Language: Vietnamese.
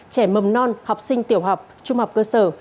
trẻ mầm non học sinh tiểu học trung học cơ sở